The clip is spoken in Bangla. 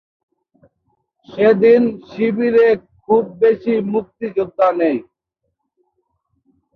সেদিন শিবিরে খুব বেশি মুক্তিযোদ্ধা নেই।